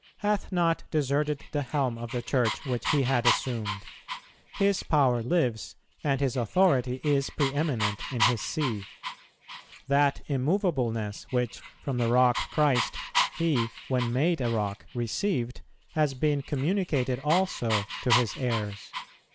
"hath not deserted the helm of the Church which he had assumed. .. His power lives and his authority is pre eminent in his See."[162:1] "That immoveableness, which, from the Rock Christ, he, when made a rock, received, has been communicated also to his heirs."